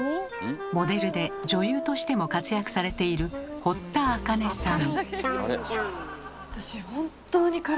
モデルで女優としても活躍されている堀田茜さん。